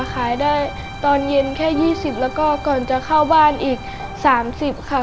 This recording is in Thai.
ขายได้ตอนเย็นแค่๒๐แล้วก็ก่อนจะเข้าบ้านอีก๓๐ค่ะ